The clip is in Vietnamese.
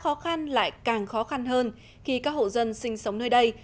nhưng đã khó khăn lại càng khó khăn hơn khi các hộ dân sinh sống nơi đây